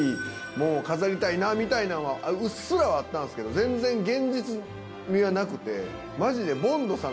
みたいなのはうっすらはあったんですけど全然現実味はなくて。